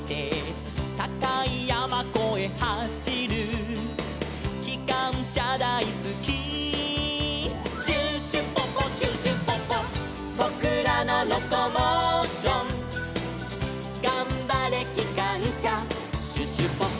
「たかいやまこえはしる」「きかんしゃだいすき」「シュシュポポシュシュポポ」「ぼくらのロコモーション」「がんばれきかんしゃシュシュポポ」